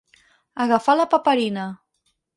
Agafar la paperina.